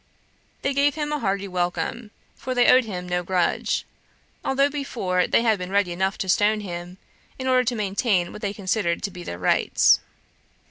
They gave him a hearty welcome, for they owed him no grudge; although before they had been ready enough to stone him, in order to maintain what they considered to be their rights.